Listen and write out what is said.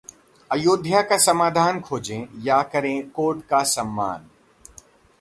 'अयोध्या का समाधान खोजें या करें कोर्ट का सम्मान'